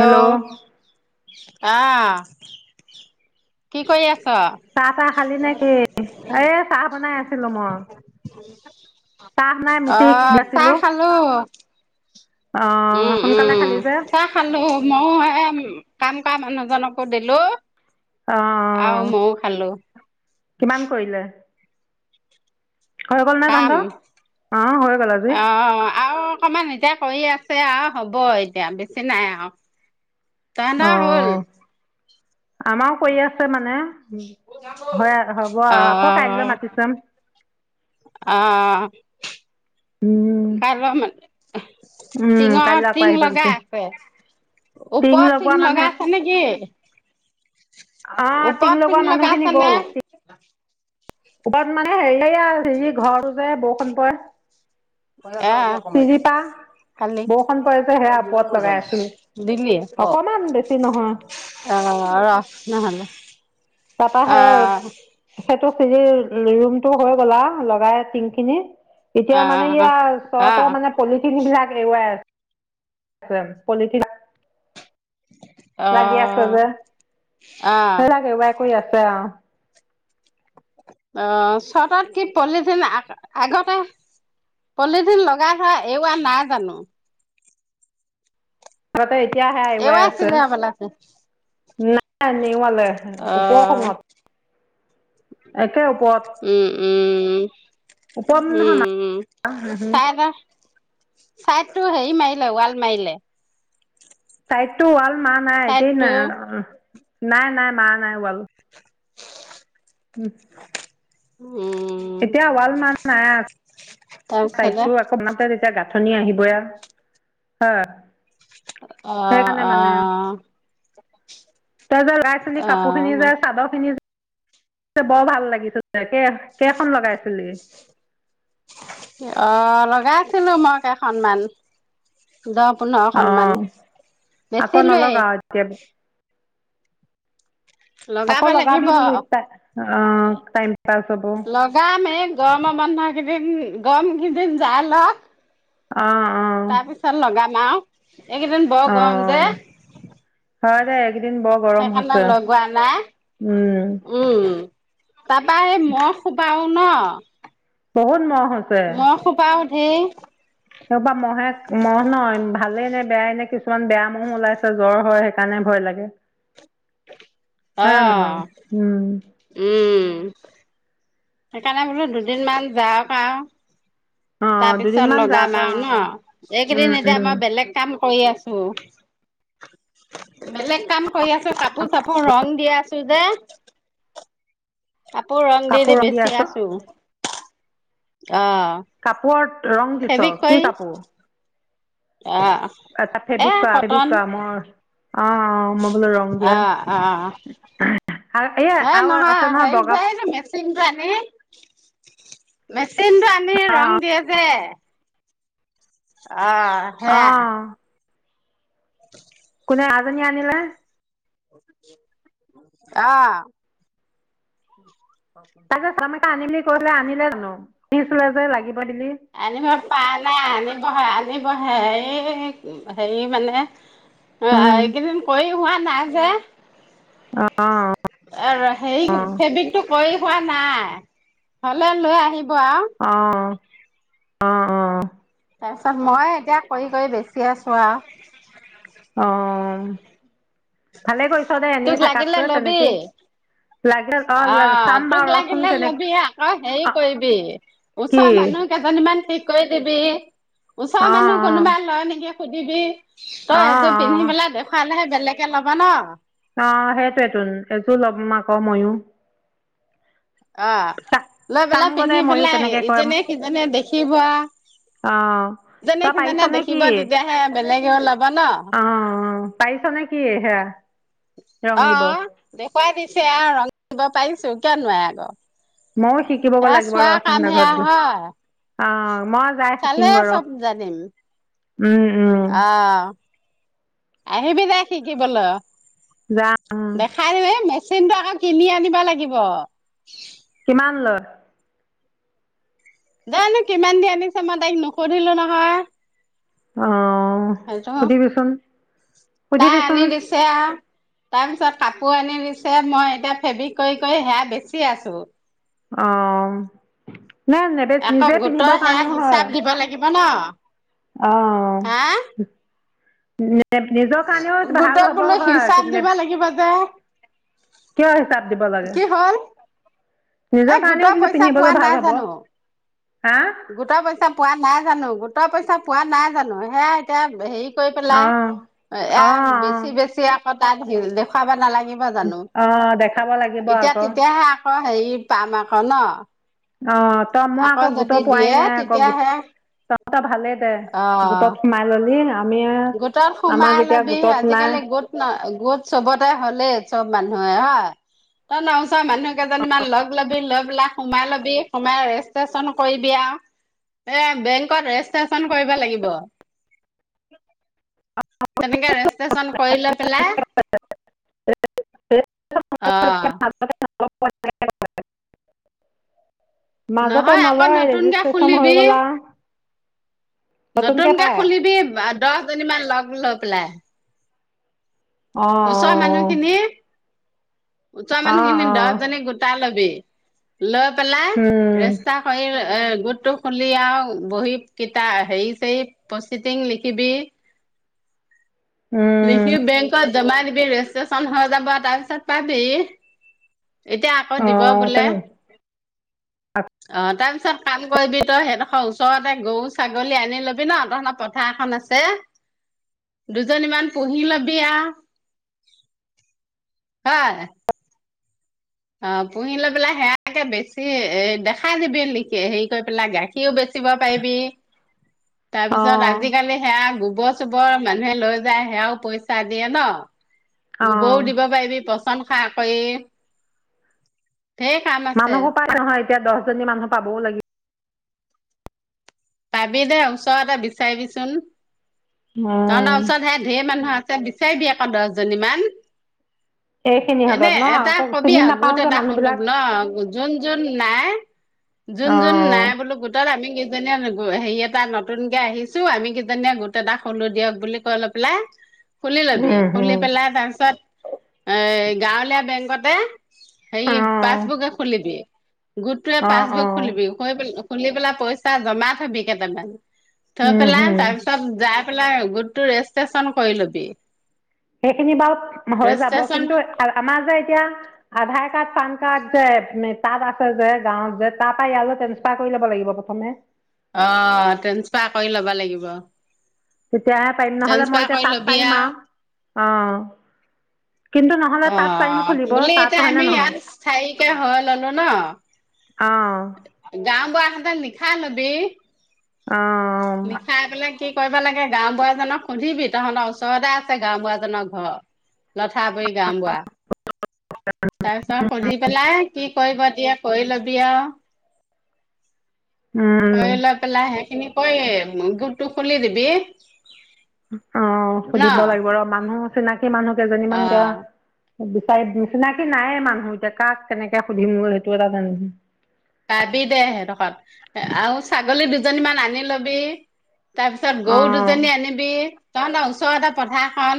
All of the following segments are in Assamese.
হেল্ল' অ', কি কৰি আছ? চাহ-তাহ খালি নে কি, এই চাহ বনাই আছিলোঁ মই। চাহ নাই, অ চাহ [unintelligible] খালো অ', সোনকালে খালি যে? খালোঁ, মইও এই কাম কৰা মানুহজনকো দিলোঁ অঁ আৰু মইও খালোঁ। কিমান কৰিলে? হৈ গ'ল নে কাম, তহঁতৰ অঁ হৈ গ'ল আজি অ' আৰু অকমান এতিয়া কৰি আছে আৰু, হ'ব এতিয়া বেছি নাই আৰু। অ তহঁতৰ হ'ল আমাৰও কৰি আছে মানে, উ হয় হ'ব অ আকৌ কাইলৈ মাতি চাম। আহ। উম কাইলৈ মানে উম টিঙৰ কাইলৈ আকৌ টিং আহিব দিছে লগাই আছে। টিং ওপৰত লগোৱা তিন লগা মানুহে আছে নেকি? অঁ টিং উপৰত লগোৱা তিং লগাই মানুহখিনি আছে নে? গ'ল ওপৰত মানে হেৰি হে ঘৰটো যে বৰষুণ পৰে। আহ, কমাই দি চিৰিপা কালি, বৰষুণ পৰে যে সেয়া ওপৰত লগাই আছিলো দিলি অ [unintelligible] অকমান বেছি নহয় আহ ৰাখ নহলে। তাৰপৰা সে সেইটো চিজিল, ৰুমটো হৈ গ'ল আৰু লগাই টিং খিনি। এতিয়া মানে কি আও, ওচৰৰ পৰা মানে পলিথিন বিলাক এৱাই আছে, পলিথিন বিলাক লাগি আছ যে, সেই বিলাক এৰুৱাই কৰি আছে আও। অ চতাত কি পলিথিন আগতে, পলিথিন লগাই থোৱা এৰোৱা নাই জানো? ঘৰত এতিয়া হেইয়া এৰুৱাই এৰুৱাইছিলে আছো। হ'বলা নাই নেওৱালে অ' ওপৰখনত। একে ওপৰত উ'ম, উ'ম। উ'ম ওপৰত নহয় উম উম, সেইখিনি চাই ছাইড টো হেৰি মাৰিলে, ৱাল মাৰিলে। চাইডতটো ৱাল মাৰা নাই এতিই চাইডটো নাই নাই-নাই মাৰা নাই ৱাল। উ'ম। উ'ম। এতিয়া ৱালমাৰা নাই তাৰপিছতে চাইদটো, কমাতে [unintelligible] তেতিয়া গাথনি আহিবই এইয়াত হ। অ', অঁ, তাৰ পৰা যে, লৰা-ছোৱালী কাপোৰ খিনি যায় চাদৰ খিনি, বৰ ভাল লাগিছিল। কেইখন লগাইছিলি? অ' লগাই আছিলো, মই কেইখনমান। দহ পোন্ধৰখন মান, অঁ আকৌ বেচিলোৱে। [unintelligible] লগাব আকৌ লগাবি লাগিব বোলো [unintelligible] অ টাইম পাছ হব। গামেই গৰমৰ মানুহকেইদিন গৰমকেইদিন জাই লওঁক, অ', অ তাৰ পিছত লগাম আও, এইকেইদিন বৰ গৰম অঁ যে। হয় দে একদিন বৰ, গৰম সেইকাৰণে হৈছে লগোৱা নাই। উম উম তাৰপা এই মহ সোবাও ন, বহুত মহ হৈছে মই খোপাও ধেৰ, সেই পৰা মহে মহ নহ ভালে নে বেয়াই নে, কিছুমান বেয়া মহো ওলাইছে জ্বৰ হয়। কাৰণে ভয় লাগে। হয় নহয় অ', উম উ'ম সেইকাৰণে বোলো দুদিন মমান যাওক আও, অ তাৰ পিছত দুদিনমান লগাম যাক আৰু ন, উম এইকেইদিন এতিয়া উম মই বেলেগ কাম কৰি আছো বেলেগ কাম কৰি আছো কাপোৰ-চাপোৰ ৰং দি আছো যে। কাপোৰ ৰং দি দি বেছি আছো। অ'। কাপোৰৰ ৰং দিছ ফেব্ৰিক কি কৰি কাপোৰ? অ' অ তাত সেই এ ফ্ৰেবিক কৰা ফ্ৰেবিক কটন কৰা মই অ মই বোলো ৰং অ দিয়া অ আৰু এইয়া এ আৰু আছে নহয় হেৰি বগা যে এইটো মেচিনটো আনি মেচিনটো আনি অ ৰং দিয়ে যে। আ। অ'। [inaudible] কোনে আইজনী আনিলে? অ'। তাক যে চাম একা আনিলি কলে আনিলে জানো, দিছিলে যে লাগিব বুলি। আনিব পা নাই আনিব আনিব হে এ হেৰি মানে অ উম এইকেইদিন কৰি হোৱা নাই যে। অ'। আৰু অ হেৰি ফেব্ৰিকটো কৰি হোৱা নাই। হলে লৈ আহিব আও। অ, অ, অ। তাৰপিছত মই এতিয়া কৰি কৰি বেচি আছো আও। অ ভালে কৰি তোক লাগিলে লবি। লাগিল অ চাম তোক বাৰু ৰচোন লাগিলে কেনেক লবি আক, হেৰি অ কৰিবি কি ওচৰৰ মানুহ এজনী মান ঠিক কৰি দিবি। অ। কোনোবাই লয় নেকি সুধিবি, অ অ তই অ এযোৰ পিন্ধি পেলাই দেখুৱালেহে বেলেগকে লব ন। অ সেইটোয়েতোন এযোৰ লম আক মইও। অ চা লৈ চাম পেলাই গ দে পিন্ধি ময়ো পেলাই কেনেকে কৰিম ইজনীয়ে সিজনীয়ে দেখিব আও। অ ইজনীয়ে তই সিজনীয়ে পাৰিছনে দেখিব কি তেতিয়াহে বেলেগেও লব ন। পাৰিছা নে কি সেয়া। ৰং অ দিব দেখুৱাই দিছেআৰু ৰং কৰিব পাৰিছো কিয় নোৱাৰে আক। মই শিক শিকিবগৈ লাগিব ৰ চোন কামহে এঘৰত গৈ হয় আ মই যায় চালে চিকিম গৈ ৰ। চব উম উম। আ আহিবি দে শিকিবলৈ। যা দেখাই দি এ মেচিনটো আকৌ কিনি আনিব লাগিব। কিমান লয়? জানো কিমান দি আনিছে, মই তাইক নুসুধিলো নহয়। অ সেইটো সুধিবিচোন সুধিবিচোন। আ। তাৰ পিছত কাপোৰ আনি দিছে, মই এতিয়া ফেব্ৰিক কৰি কৰি সেয়া বেচি আছো। অ না নে আকৌ গোটৰ সেয়া হিচাপ দিব লাগিব ন। অ। হা [unintelligible] নিজৰ কাৰণেও ভাল গোটত হ'ব বোলো হয়। হিচাপ দিব [unintelligible] লাগিব যে কিয় হিচাপ দিব লাগে? কি হ'ল এ নিজৰ গোটৰ কাৰণেও বুলো পইচা পোৱা পিন্ধিবলৈ নাই ভাল হব। জানো হা? গোটৰ পইচা পোৱা নাই জানো? গোটৰ পইচা পোৱা নাই জানো? সেয়া এতিয়া হেৰি কৰি পেলাই অঁ অঁ এয়া অঁ বেছি বেছি আকৌ তাত দেখুৱাবা নালাগি বা জানো? অঁ দেখাব লাগিব এতিয়া আকৌ তেতিয়াহে আকৌ হেৰি পাম আকৌ ন? অ, তই মই আকৌ গোট যদি পোৱাই দিয়ে নাই আকৌ গো তেতিয়াহে টা ভালে দে অ গোটত সোমাই ললি। আমি গোটত আমাক সোমাই এতিয়া লবি। গোটত নাই আজিকালি গোত ন গোট চবতে হ'লেই। চব মানুহে হা। ত নাওচা মানুহ কেইজনীমান লগ [unintelligible] লৈ পেলাই সোমাই ল'বি। সোমাই ৰেচষ্ট্ৰেশচন কৰিবি আ। এ বেংকত ৰেচষ্ট্ৰেশচন কৰিব লাগিব। তেনেকে ৰেচষ্ট্ৰচন কৰি লৈ পেলাই, অ। [unintelligible] মাজতে নহয় আকৌ নলয় নতুনকে ৰেজিষ্ট্ৰেশ্যন খুলিবি হৈ গ'লা। নতুনকে পায় খুলিবি দহজনীমান লগ লৈ পেলাই। অ ওচৰৰ অ অ। ওচৰ অঁ মানুহখিনি দহ অঁ জনী গোটা লবি। লৈ পেলাই উম ৰেস্তা [unintelligible] গোটটো খুলি আৱ বহি কটা হেই ছেই পচিতিং লিখিবি। উম। লিখি বেংকত জমা দিবি ৰেচষ্ট্ৰচন হৈ যাব, তাৰ পিছত পাবি। এতিয়া আকৌ অ দিব বোলে। তেনে [unintelligible] অ, তাৰ পিছত কাম কৰিবি তই সেইডখ ওচৰতে গৰু ছাগলী আনি ল'বি ন। [unintelligible] পিঠা এখন আছে। দুজনীমান পুহি লবিয়া। হয়। অ, পুহি লৈ পেলাই সেয়াকে বেছি এ দেখা দিবি লি হেৰি কৰি পেলাই গাখীৰ কিও বেচিব পাৰিবি। [inaudible] তাৰ পিছত আজিকালি সেয়া গোবৰ চোবৰ মানুহে লৈ যায়, সেয়াও পইচা দিয়ে ন। অ গোবও দিব পাৰিবি, পচন সাৰ কৰি ঢেৰ কাম আছে মানুহ পা নহয় এতিয়া দহজনী মানুহ পাবও লাগি পাবি দে, ওচৰতে বিচাৰিবিচোন? উম তহঁতৰ ওচৰত হে ধেৰ মানুহ আছে। বিচাৰিবি আকৌ দহজনীমান। এইখিনি এনে হাতত ন এটা আকৌ কবি চিনি আও নাপাও গোত যে এটা মানুহ বিলাক [unintelligible] ন। যোন যোন নাই যোন অ যোন নাই বোলো গো গোটত আমি কিজনীয়ে হেৰি এটা নতুনকে আহিছো। আমি কিজনীয়ে গোট এটা খোঁলো দিয়ক বুলি কয় অলপ পেলাই খুলি লবি। উম খুলি হম পেলাই তাৰপিছত এ গাঁৱলীয়া বেংকতে সেই অ পাচবুকে খোলিবি। গোটটোৱে অ অ পাচবুক খোলিবিও। [unintelligible] খুলি পেলাই পইচা জমা থবি কেইটামান থৈ উম পেলাই হম তাৰ পিছত য পেলাই গোট তটো ৰেজিষ্ট্ৰেশচন কৰি লবি। সেইখিনি বাৰু হৈ যাব। ৰেজিষ্ট্ৰেচন কিন্তু আমাৰ যে এতিয়া আধাৰ কাৰ্ড পান কাৰ্ড যে তাত আছে। যে গাঁৱত যে তাৰ পৰা এয়ালৈ তেনচ চা কৰি ল'ব লাগিব। প্ৰথমে অ', ট্ৰেন্সফাৰ কৰি ল'ব লাগিব। তেতিয়াহে পাৰিম নহ'লে মই ট্ৰেন্সফাৰ এতিয়া কৰি তাত ল'বি পাৰিম আৰু অ, কিন্তু নহলে অ', তাত পাৰিম অ, খুলিব বুলি তাত এতিয়া হয়নে আমি নহয় ইয়াত চাৰকে হৈ ললো ন। অ', গাওঁ বুঢ়া হাতে লিখা লবি। অ', লিখাই পেলাই কি কৰিব লাগে। গাওঁবুঢা জক সুধিবি তহঁতৰ ওচৰতে আছে। গাওঁবুঢ়াজনৰ ঘৰ [inaudible] লঠাৰ পৰৰি গাওঁবুৱা তাৰপিছত সুধি পেলাই কি কৰিব দিয়ে কৰি লবি আৰু কৰি লৈ পেলাই সেইখিনি কৰি গোটটো খুলি দিবি। অ', ন সুধিব লাগিব ৰ মানুহ চিনাকি মানুহ কেইজনীমান তিয়া অ বিচাৰি নিচিনাকি নাইয়ে। মানুহ এতিয়া কাক কেনেকে সুধিমগৈ সেইটো এটা [unintelligible] পাবি দে সিহঁতোখত আৰু ছাগলী দুজনীমান আনি লবি তাৰ পিছত গৰু অঁ দুজনী আনিবি তহতৰ ওচৰতে পথাৰখন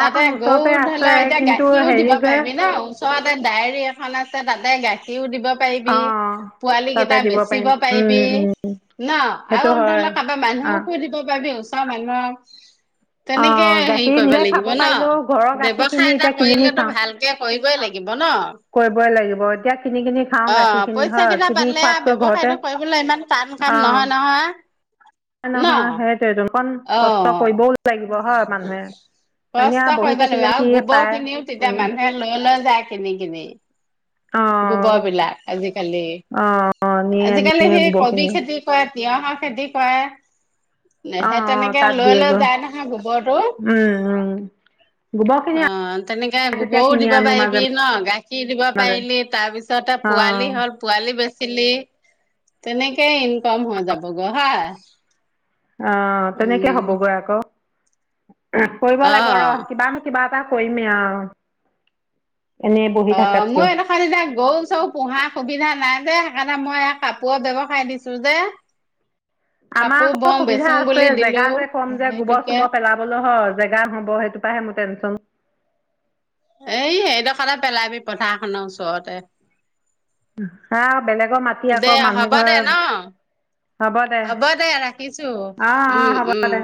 তাতে গৰু ওচৰতে আছে ধলাও এতিয়া কিন্তু গাখীৰও দিব হেৰি যে পাৰিবি ন? তে ডায়েৰী এখন আছে। তাতে গাখীৰও দিব পাৰিবি অঁ পোৱালি তাতে কেইটা দিব বেচিব পাৰিম উম পাৰিবি। উম ন সেইটো আৰু ধৰি হয় লওক কাৰোবাৰ অঁ মানুহকো দিব পাৰি ওচৰ মানুহক তেনেকে অঁ হেৰি গাখীৰ কৰিব নিজে লাগিব খাব ন? পাৰিলেও ঘৰৰ গাখীৰখিনি ব্যৱসায় এটা এতিয়া কিনি নি কৰিলেতো খাওঁ ভাল এতিয়া কৰিবই লাগিব ন। কৰিবই লাগিব। এতিয়া কিনি কিনি খাওঁ অ গাখীৰখিনি পইচা হয়। কেইটা তুমি পালে খোৱাতকৈ ঘৰতে ব্যৱসায়টো কৰিবলৈ ইমান টান কাম অ নহয় নহয় ন নহয়। সেইটো কণ অ কষ্ট কৰিবও লাগিব হয়। মানুহে এনে কষ্ট বহি কৰিব লাগিব থাকিলে কি আৰু গোবৰ পায়? খিনিও তেতিয়া উম মানুহে লৈ লৈ যায় কিনিকিনি অঁ গোবৰ বিলাক আজিকালি অঁ নিয়ে আজিকালি নিয়ে সেই কবি গোবৰখিনিও খেতি কয়ে তিয়হৰ খেতি কৰে। সেই তেনেকে লৈ লৈ যায় নহয়। গোবৰটো উম', উম, অ', তেনেকে গোবৰও দিব মাজে পাৰিবি ন। গাখীৰ দিব মাজে পাৰিলি তাৰ পিছতে অঁ পোৱালি হ'ল। পোৱালি বেচিলি তেনেকেই ইনকম হৈ যাব গৈ হয়। অ', তেনেকে উম হ'বগৈ আকৌ কৰিব লাগিব ৰ অ কিবা ন কিবা কিবা এটা কৈমে আও অ', মই এটা না গল চব পোহা সুবিধা নাই যে, সেইকাৰণে মই এয়া কাপোৰ ব্যৱসায় দিছো যে আমাৰ কাপোৰ আকৌ বওঁ বেচো সুবিধা আছে। বুলি দিলো জেগা যে কম যে গোবৰ সেইটোকে চোবৰ পেলাবলৈ হল। জেগা হ'বেইটো পৰাে মোৰ টেনচন এই হেদখতে পেলাবি পথাৰখননৰ ওচৰতে। হা বেলেগৰ মাটি দে আকৌ মানুহ হ'ব দে ঘৰ ন হ'ব দে আহ অ, অ, উম হ'ব উম দে